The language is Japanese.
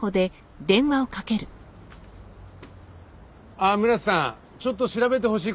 ああ村瀬さんちょっと調べてほしい事。